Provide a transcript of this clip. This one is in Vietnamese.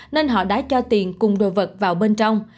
nên họ đã cho tiền cùng đồ vật vào bên trong